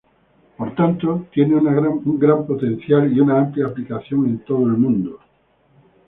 Por tanto, tiene un gran potencial y una amplia aplicación en todo el mundo.